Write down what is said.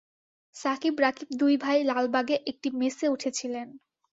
সাকিব রাকিব দুই ভাই লালবাগে একটি মেসে উঠেছিলেন।